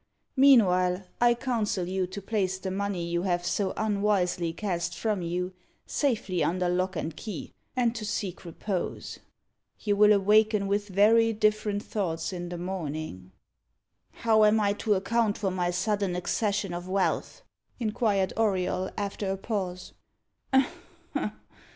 Meanwhile, I counsel you to place the money you have so unwisely cast from you safely under lock and key, and to seek repose. You will awaken with very different thoughts in the morning." "How am I to account for my sudden accession of wealth?" inquired Auriol, after a pause.